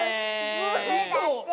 ブーだって。